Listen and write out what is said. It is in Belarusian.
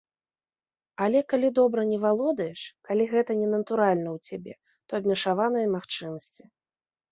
Але калі добра не валодаеш, калі гэта ненатуральна ў цябе, то абмежаваныя магчымасці.